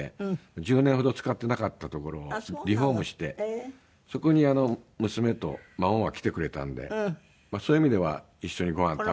１０年ほど使ってなかった所をリフォームしてそこに娘と孫が来てくれたのでそういう意味では一緒にごはん食べたり。